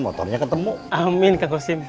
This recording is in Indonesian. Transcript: motornya ketemu amin ke kosim